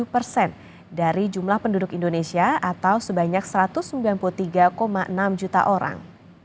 dua puluh persen dari jumlah penduduk indonesia atau sebanyak satu ratus sembilan puluh tiga enam juta orang